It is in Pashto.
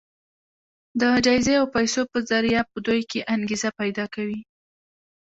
د جايزې او پيسو په ذريعه په دوی کې انګېزه پيدا کوي.